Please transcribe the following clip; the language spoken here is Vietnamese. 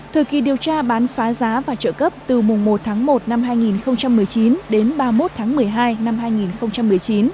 thời kỳ điều tra bán phá giá và trợ cấp từ mùng một tháng một năm hai nghìn một mươi chín đến ba mươi một tháng một mươi hai năm hai nghìn một mươi chín